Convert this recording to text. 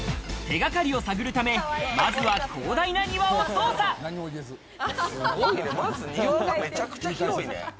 手掛かりを探るため、まずはまず庭がめちゃくちゃ広いね！